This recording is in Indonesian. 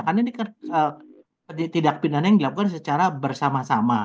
kan ini tidak pindahkan yang dilakukan secara bersama sama